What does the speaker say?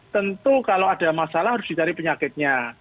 tentu kalau ada masalah harus dicari penyakitnya